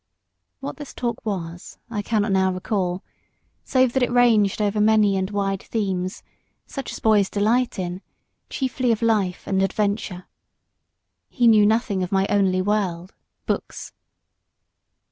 What this talk was, I cannot now recall, save that it ranged over many and wide themes, such as boys delight in chiefly of life and adventure. He knew nothing of my only world books.